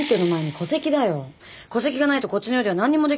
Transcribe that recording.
戸籍がないとこっちの世では何にもできないんだから。